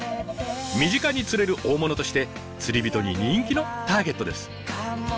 身近に釣れる大物として釣りびとに人気のターゲットです。